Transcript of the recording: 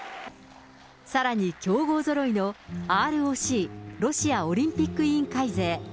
さらに強豪ぞろいの、ＲＯＣ・ロシアオリンピック委員会勢。